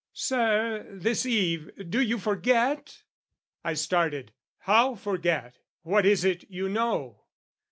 "Sir, this eve "Do you forget?" I started. "How forget? "What is it you know?"